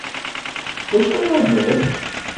D acu ara nečč?